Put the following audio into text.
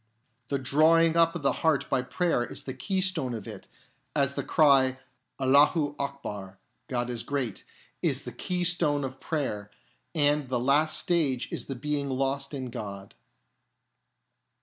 The drawing up of the heart by prayer is the keystone of it, as the cry " Allahu Akbar " (God is great) is the keystone 48 THE INWARD ASCENT of prayer, and the last stage is the being lost in God.